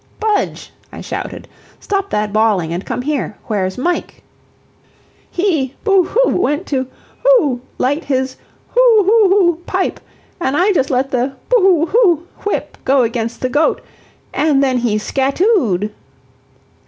"Budge," I shouted, "stop that bawling, and come here. Where's Mike?" "He boo hoo went to hoo light his boo hoo hoo pipe, an' I just let the boo hoo whip go against to the goat, an' then he scattooed."